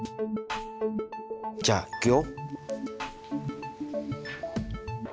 じゃあいくよ。